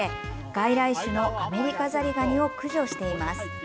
外来種のアメリカザリガニを駆除しています。